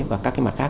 và các cái mặt khác